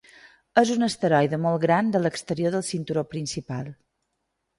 És un asteroide molt gran de l'exterior del cinturó principal.